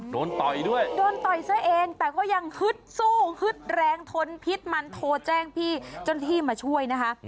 ต่อยด้วยโดนต่อยซะเองแต่ก็ยังฮึดสู้ฮึดแรงทนพิษมันโทรแจ้งพี่เจ้าหน้าที่มาช่วยนะคะ